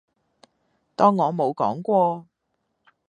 當我冇講過